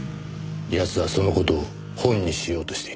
奴はその事を本にしようとしていた。